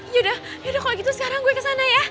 ya udah kalau gitu sekarang gue kesana ya